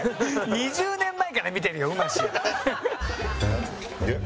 ２０年前から見てるよ「うまし」は。